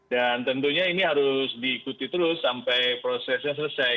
dan tentunya ini harus diikuti terus sampai prosesnya selesai